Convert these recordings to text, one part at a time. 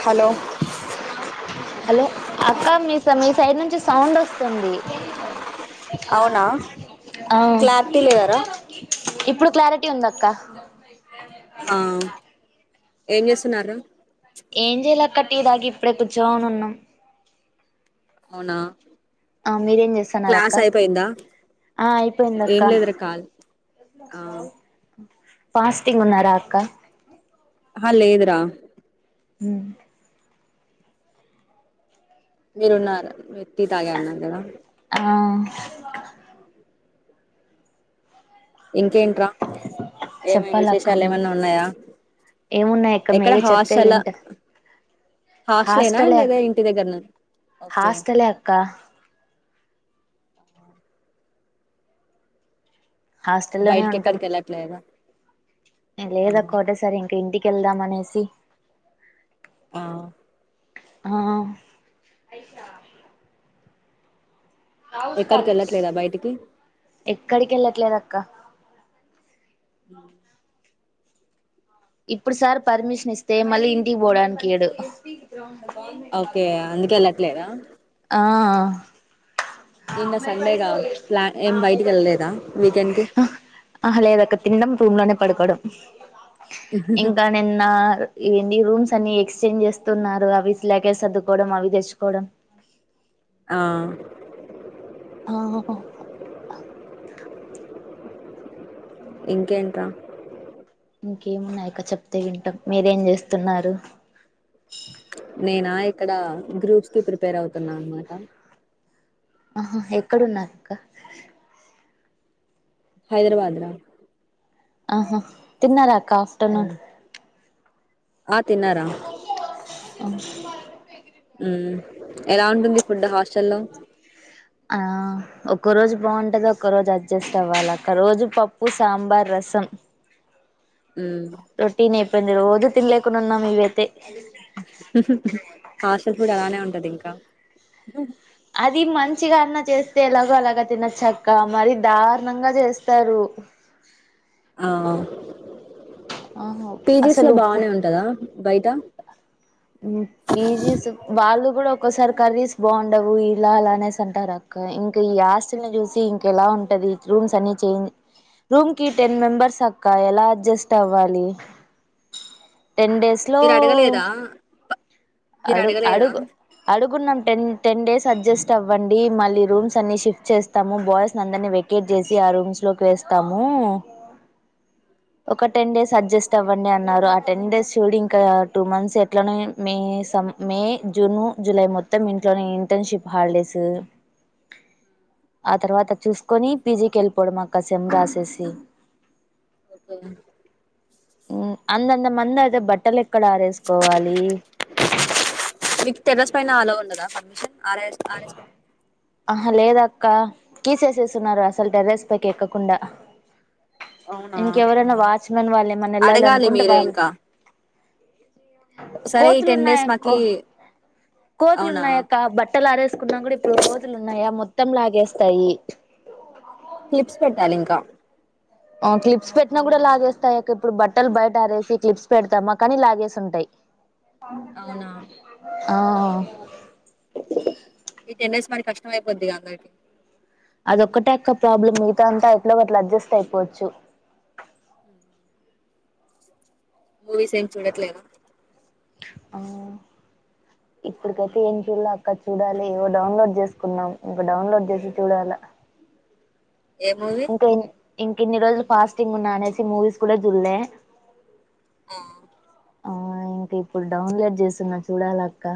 Hello hello అక్క మీ స మీ సైడ్ నుంచి సౌండ్ ఆస్తుంది. అవునా అ క్లారిటీ లేదారా ఇప్పుడు క్లారిటీ ఉందక్క ఆ అ ఏం చేస్తున్నార్ర ఏం చేయాలే అక్క టీ తాగి ఇప్పుడే కూర్చోని ఉన్నాం. అవున ఆ మీరేం చేస్తన్నారు. అక్క ఆ అయిపోయింది ఏం అక్క లేదురా కాల్ ఆ ఫాస్టింగ్ ఉన్నారా అక్క హా లేదురా హ్ మీరున్నార మీరు టీ తాగ అన్నారు కదా ఆ ఇంకేంట్రా ఏమీ చెప్పాల అక్క విశేషాలు మరి ఏమన్నా ఉన్నాయా ఏమున్నాయి అక్క ఎక్కడ మీరే చెప్తే హాస్టల్ వింటా హోస్ట్లేన హాస్టలే లేదా ఇంటి దగ్గర ఒకే హాస్టలే అక్క బయటికి ఎక్కడికి ఏళ్ళట్లేదా లేదాక్క ఓకటేసారి ఇంక ఇంటికి కెల్దం అనేసి ఆ ఆ ఎక్కడికి వెళ్ళట్లేదా బయటికి ఎక్కడికి వెళ్ళట్లేదు అక్క హ్ ఇప్పుడు సార్ పర్మిషన్ ఇస్తే మళ్ళీ ఇంటికి పోవడానికి ఇయ్యడు. ఓకే అందుకేల్ల లేరా ఆ నిన్న సండేగా ప్లాన్ ఏం బయటికి వెళ్ళలేదా వీకెండ్కిి ఆహా లేదక్క తినడం రూమ్ లోనే పడుకోవాడం. ఇంకా నిన్న ఏంది రూమ్స్ అన్ని ఎక్స్చేంజ్ చేస్తున్నారు. అవి లగేజ్ సర్దుకోవడం అవి తెచ్చుకోవడం ఆ ఆ హో ఇంకెంట్రా ఇంకేమున్నాయి. అక్క చెప్తే వింటాం మీరేం చేస్తున్నారు. నేనా ఇక్కడ గ్రూప్స్ కి ప్రిపేర్ అవుతున్నా అనమాట ఆహా ఎక్కడున్నారు. అక్క హైదరాబాద్ రా ఆహా తిన్నరా అ ఆ ఆఫ్టర్నూన్ ఆ తిన్నారా హ్మ్ ఎలా ఉంటుంది. ఫుడ్ హాస్టల్ల్లో ఆ ఒక్కోరోజు బాగుంటది. ఒక్కో రోజు అడ్జస్ట్ అవ్వాలి. అక్క రోజు పప్పు, సాంబార్, రసం హ్మ్ ప్రతి రోజు తినలేకుండా ఉన్నాం. ఇవైతే హాస్టల్ ఫుడ్ అలానే ఉంటది. ఇంకా అది మంచిగా అన్నా చేస్తే ఎలాగో అలాగ తినచ్చక్క మరి దారుణంగా చేస్తారు. ఆ ఆహా పీజీస్ లో అసలు బానే ఫుడ్ ఉంటదా బయట పీజీస్ వాళ్ళు ఎప్పుడో ఒకసారి కర్రీస్ బావుండవు. ఇలా అలా అనేసి అంటారు. అక్క ఇంకా ఈ హాస్టల్ ని చూసి ఇంకెలా ఉంటది. రూమ్స్ అన్ని చేంజ్ రూమ్ కి టెన్ మెంబర్స్ అక్క ఎలా అడ్జస్ట్ అవ్వాలి టెన్ డేస్ లో మీరు అడగలేదా ప- మీరు అడుగు అడగలేదా అడుగు అడుగున్నాం. టెన్ టెన్ డేస్ అడ్జస్ట్ అవ్వండి. మళ్ళీ రూమ్స్ అన్ని షిఫ్ట్ చేస్తాము. బాయ్స్ అందని వెకేట్ చేసి ఆ రూమ్స్ లోకి వేస్తాము. ఒక టెన్ డేస్ అడ్జస్ట్ అవ్వండి అన్నారు. ఆ టెన్ డేస్ చూడు ఇంకా టూ మంత్స్ ఎట్లా మీ మే జూన్ జులై మొత్తం ఇంట్లోనే ఇంటర్న్షిప్ హాలిడేస్. ఆ తర్వాత చూసుకొని పీజీకి వెళ్ళిపోవడం అక్క సెమ్ రాసేసి ఓకే అందంద మంది అంటే బట్టలు ఎక్కడ ఆరేసుకోవాలి. మీకు టెర్రస్ పైన ఆలో ఉండదా ఆరేస్ ఆరేసుకొండి. ఆహా లేదక్క తిసేస్తున్నారు. అసలు టెర్రెస్ పైకి ఎక్కకుండా అవునా ఇంకెవరైనా వాచ్మెన్ వాళ్ళే ఏమన్నా వెళ్ళాలి. అడగాలి అనుకుంటే మీరే వాళ్ళు ఇంకా సరే ఈ కోతులు టెన్ ఉన్నాయ డేస్ మాకి కోతులు అవునా ఉన్నాయాక్క బట్ట ట్టలు ఆరేసుకున్నా కూడా ఇప్పుడు కోతులు ఉన్నాయా మొత్తం లాగేస్తాయి క్లిప్స్ పెట్టాలి ఇంకా ఆ క్లిప్స్ పెట్టినా కూడా లాగేస్తాయి అక్క ఇప్పుడు బట్టలు బయట ఆరేసి క్లిప్స్ పెడతామా కానీ లాగేసి ఉంటాయి అవునా ఆ ఈ టెన్స్ మరి కష్టం అయిపోద్ది గా అందరికి ఆది ఒక్కటే అక్క ప్రాబ్లమ్ మిగతా అంతా ఇట్లా వాట్లా అడ్జస్ట్ అయిపోవచ్చు మూవీస్ ఏం చూడట్లేదా ఆ ఇప్పుడికైతే ఏం చూడలా అక్క చూడాలి ఇగో డౌన్లోడ్ చేసుకున్నాం ఇంక డౌన్లోడ్ చేసి చూడాలా ఏ మూవీ ఇంకా ఇంక ఇన్ని రోజులు ఫాస్టింగ్ ఉన్నా అనేసి మూవీస్ కూడా చూలే [unintelligible] ఇకా ఇప్పుడు డౌన్లోడ్ చేస్తున్నా చూడాల అక్క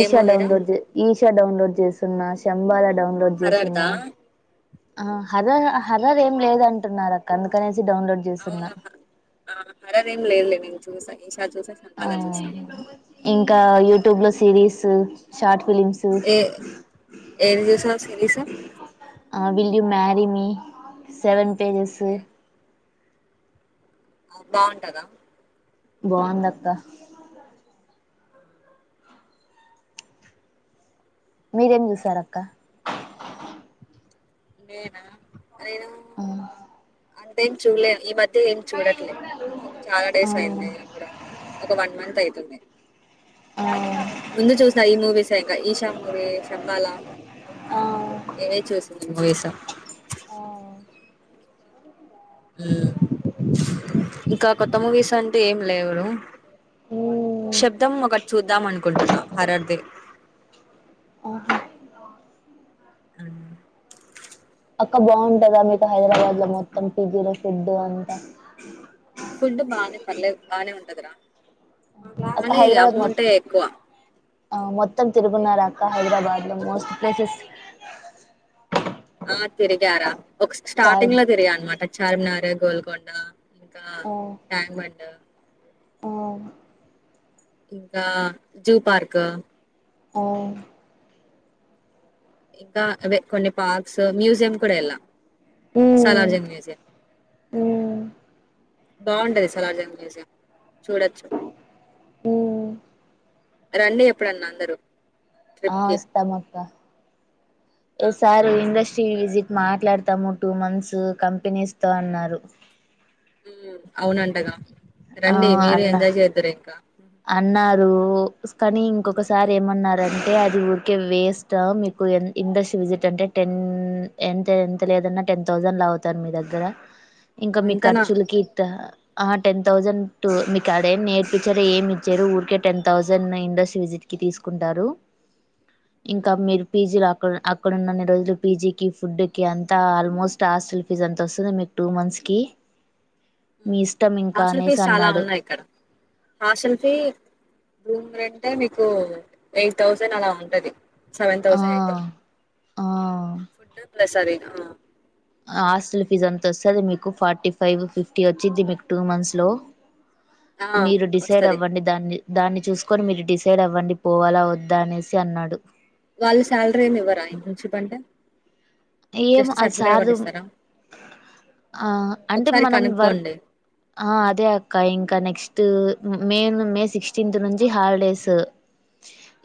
ఏ మూవీరా డౌన్లోడ్జ్ ఈశ డౌన్లోడ్ చేస్తున్నా శంభాల డౌన్లోడ్ హర్రర్ దా చేసున్నా ఆ హరర్ హరర్ ఏం లేదంటున్నారు అక్క అందుకనే అవును హారర్ ఏం లేదు లే నేను చూడ ఈ ఇంకా యూట్యూబ్ లో series short films A [unintelligible] series will you marry me seven తెలుసు ఓకే బాగుంటదా బాగుంద అక్క మీరేం చూసారక్క నేనా మ్మ్ అంతేం చూలే ఈ మధ అయితే ఏం చూడట్లేదు చాలా ఆ డేస్ అయింది ఒక వన్ మంత్ అయితుంది ఆ ముందు చూసా ఈ మూవీస్ ఇంకా ఈశా మూవీ సంబాల ఆ ఆ ఇవే చూసిన్నా [unintelligible] మ్మ్ ఇంకా కొత్త మూవీస్ అంటే ఏం లేవు మ్మ్ శబ్దం ఒకటి చూద్దాం అనుకుంటున్నా హరర్ది ఆహా అవునా అక్క బాగుంటదా మీకు హైదరాబాద్ లో మొత్తం పిజ్జులో ఫుడ్డు అంతా ఫుడ్ బానే పర్లేద్ బానే ఉంటదిరా కానీ అమౌంటే ఎక్కువ ఆ మొత్తం తిరుగున్నారు అక్క హైదరాబాద్ లో మోస్ట్ ప్లేసెస్ ఆ తిరిగారా ఒక చాలు స్టార్టింగ్ లో తిరిగా అన్నమాట చార్మినారు గోల్కొండ ఇంకా ట్యాంక్ బండు ఓ ఇంకా జూ పార్కు ఓ ఇంకా అవే కొన్ని పార్క్స్ మ్యూజియం కూడా వెళ్ళాం ఉమ్ సాలార్ జంగ్ మ్యుజియం ఉమ్ బాగుంటది సలార్ జంగ్ మ్యూజియం చూడొచ్చు, ఉమ్ రండి ఎప్పుడన్నా అందరూ, ట్రిప్కి S R industry visit మాట్లాడతాము టూ మంత్స్ కంపెనీస్ తో అన్నారు అవునంటగా ఆ రండి మీరు అన్న ఎంజాయ్ చేద్దురు ఇంకా అన్నారు కానీ ఇంకొకసారి ఏమన్నారంటే అది ఊరికే వెస్టా మీకు ఎ ఇండస్ట్రీ విజిట్ అంటే టెన్ ఎంత ఎంత లేదన్నా టెన్ థౌసండ్ లాగుతారు మీ దగ్గర ఇంకా మీ అంతనా ఖర్చులకి ఇట్టా ఆ టెన్ థౌజండ్ టూ మీకాడేం నేర్పించరు ఏమి చరు ఊరికే టెన్ థౌజండ్ ఇండస్ట్రీ విజిట్ కి తీసుకుంటారు ఇంకా మీరు పీజీలో అక్క అక్కడున్నన్ని రోజులు పీజీకి ఫుడ్ కి అంత ఆల్మోస్ట్ హాస్టల్ ఫీజ్ అంత వస్తుంది మీ టూ మంత్స్ కి మీ మ్మ్ ఇష్టం ఇంకా హాస్టల్ అనేసి ఫీస్ చాలా అన్నాడు ఉన్నాయి ఇక్కడ హాస్టల్ ఫీ రూమ్ రెంటే నీకు ఎయిట్ తౌసండ్ అలా ఉంటది. సెవెన్ ఆ థౌసండ్ ఎయిట్ ఆ సరే ఆ హాస్టల్ ఫీజ్ అంత వస్తది మీకు ఫార్టీ ఫైవ్ ఫిఫ్టీ వచ్చిది మీకు టూ మంత్స్లో ఆ మీరు డిసైడ్ వస్తది అవ్వండి దాన్ని దాన్ని చూసుకొని మీరు డిసైడ్ అవ్వండి పోవాలా వద్దా అనేసి అన్నాడు వాళ్ళ సాలరీ ఏమి ఇవ్వరా ఇంటించిపంటే ఏం అది సార్ ఆ అంటే ఒకసారి మనం వర్క్ కనుక్కోండి ఆ అదే అక్క ఇంకా నెక్స్ ట్ మే సిక్స్టీన్త్ నుంచి హాలిడేస్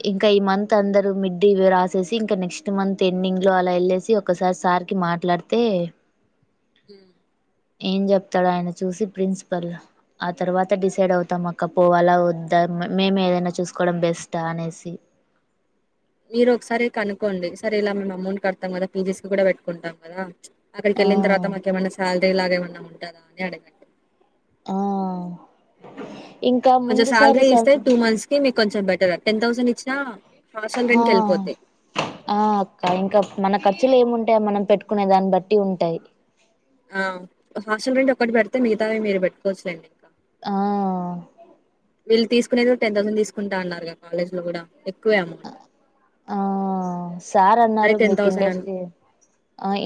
మ్మ్ ఇంకా ఈ మంత్ అందరు మిడ్డీలు రాసేసి ఇంకా నెక్స్ట్ మంత్ ఎండింగ్ లో అలా వెళ్ళేసి ఒసా సార్కి మాట్లాడితే హ్మ్ ఏం చెప్తాడో ఆయన చూసి ప్రిన్సిపల్ ఆ తర్వాత డిసైడ్ అవుతాం అక్క పోవలా వద్దా మేము ఏదైనా చూసుకోవడం బెస్టా అనేసి మీరు ఒకసారి కనుకోండి సరే ఇలా మేము అమౌంట్ కడతాం కదా పీజీస్ కి కూడా పెట్టుకుంటాం కదా అక్కడికి ఆ వెళ్ళిన తర్వాత మాకు ఏమన్నా శాల ఇలాగ ఏమన్నా ఉంటదా అని అడగండి ఆ ఇంకా కొంచెం ముందుసారి శాలరీ సం ఇస్తే టూ మంత్స్ కి మీకు కొంచెం బె టెన్ తౌసండ్ ఇచ్చినా హాస్టల్ ఆ రెంట్‌కెళ్ళిపోతాయి. ఆ అక్క ఇంకా మనం ఖర్చులు ఏముంటాయ మనం పెట్టుకునే దాన్ని బట్టి ఉంటాయి ఆ ఆహా హాస్టల్ రెంట్ ఒకటే పడితే మిగితావి మీరు పె ట్టుకోవచ్చులేండి ఆ వీళ్ళు తీసుకునేది టెన్ థౌసండ్ తీసుకుంటా అన్నారు కాలేజ్ లో కూడా ఎక్కువ అమౌంట్ ఆ సార్ మరి అన్నారు మీకు అన్ ఇండస్ట్రీ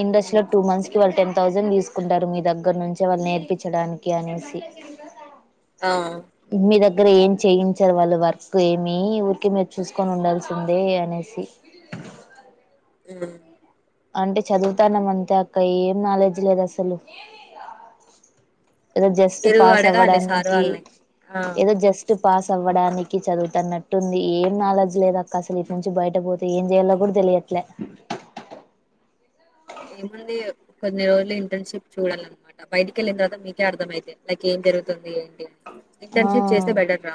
ఇండస్ట్రీ లో హ్మ్. టూ మంత్స్ కి వాళ్ళు టెన్ థౌసండ్ తీసుకుంటారు మీ దగ్గర నుంచే వాళ్ళు నేర్పించడానికి అనేసి ఆ మీ దగ్గర ఏం చేయించారు వాళ్ళు వర్క్ ఏమి ఊరికె మీరు చూసుకొని ఉండాల్సిందే అనేేసి హ్మ్ అంటే చదువుతానం అంతే అక్క ఏం నాలెడ్జ్ లేదు అసలు ఏదో జస్ట్ మీరు పాస్ అడగాలి సార్ అవ్వడాన్నినికి వాళ్ళని. ఆ! ఏదో జస్ట్ పాస్ అవ్వడానికి చదువుతన్నట్టుంది ఏం నాలెడ్జ్ లేదు అక్క అసలు ఇటు నుంచి బయట పోతే ఏం చేయాలో కూడా తెలియట్లే ఏముంది కొన్ని రోజులు ఇంటర్న్షిప్ చూడాలన్నమాట బయటిక వెళ్ళిన తర్వాత మీకే అర్థమైందే లైక్ ఏం జరుగుతుంది ఏంటి అని ఆ ఇంటర్న్షిప్ చేస్తే బెటర్ రా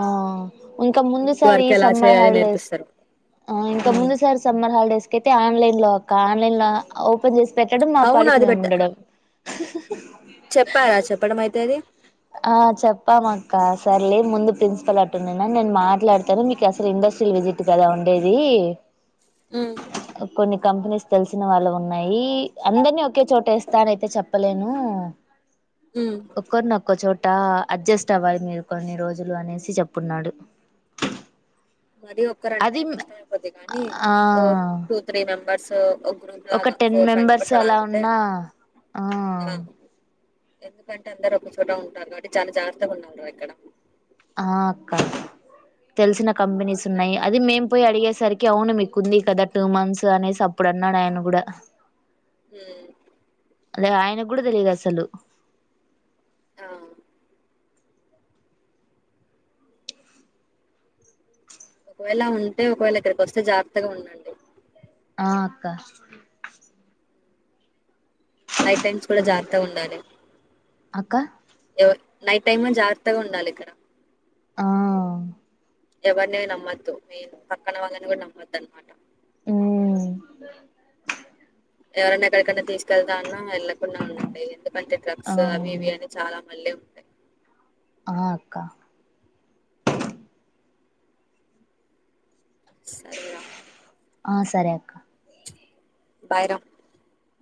ఆ ఇంకా ముందు మీకు సారి వర్క్ ఈ ఎలా సమ్మర్ చేయాలి హాలిడేస్ నేర్పిస్తారు ఆ ఇంకా ఉమ్ ముందుసారి సమ్మర్ హాలిడేస్ క అయితే ఆన్లైన్ లో ఆన్లైన్ లో ఓపెన్ చేసి పెట్టడం మా అవును పాడికి అది మేము పెట్ట ఉండడం చెప్పారా చెప్పడం అయితే అది ఆ చెప్పామ అక్క సరలే ముందు ప్రిన్సిపల్ అటున్నానా నేను మాట్లాడతాను మీకు అసలు ఇండస్ట్రీ విజిట్ కదా ఉండేది హ్మ్ కొన్ని కంపెనీస్ తెలిసిన వాళ్ళు ఉన్నాయి అందరినీ ఒకే చోట ఏస్తా అనయితే చెప్పలేను ఉమ్ ఒకరోనొక్ చోట అడ్జస్ట్ అవ్వాలి మీరు కొన్ని రోజులు అనేసి చెప్పున్నాడు మర ఒక్కరంటే అది కష్టం అయిపోద్ది కాగానీ ఆ ఓ టూ త్రీ మెంబర్ బడ్స్ ఒక టెన్ మెంబర్స్ అలా ఉన్నా ఆ ఎందుకంటే అందరు ఒకచోట ఉంటారు కాబట్టి చాలా జాగ్రత్తగా ఉండాలిరా ఇక్కడ ఆ అక్క తెలిసిన కంపెనీస్ ఉన్నాయి అది మేం పోయి అడిగేసరికి అవును మీకు ఉంది కదా టూ మంత్స్ అనేసి అప్పుడు అన్నాడు ఆయన కూడా హు అదే ఆయనకు కూడా తెలియదు అసలు ఆ ఒకవేళ ఉంటే ఒకవేళ ఇక్కడికి వస్తే జాగ్రత్తగా ఉండండి ఆ అక్క నైట్ టైమ్స్ కూడా జాగ్రత్తా ఉండాలి అక్క నైట్ టైమ్ జాగ్రత్తగా ఉండాలె ఇక్కడ ఆ ఎవరిని నమ్మద్దు మి పక్కన వాళ్ళని కూడా నమ్మొద్దు అనమాట ఊ ఎవరైన్నా ఎక్కడికన్నానా తీసుకెళ్తా అన్నా వెళ్లక్ కుండా ఉండండి ఎందుకంటే డ్రగ్స్ ఆ అవి ఇవి అని చాలా మళ్ళీ ఉంటాయి ఆ అక్క సరేరా ఆ సరే అక్క బాయ్ రా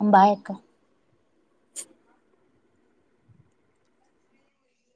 ఉమ్ బాయ్ అక్క